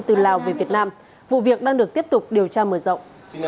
từ lào về việt nam vụ việc đang được tiếp tục điều tra mở rộng